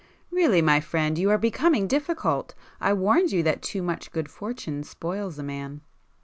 Really, my friend, you are becoming difficult!—I warned you that too much good fortune spoils a man."